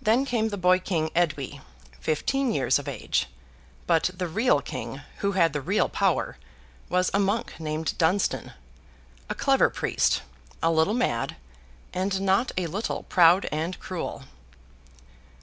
Then came the boy king Edwy, fifteen years of age; but the real king, who had the real power, was a monk named Dunstan—a clever priest, a little mad, and not a little proud and cruel.